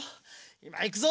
いまいくぞ！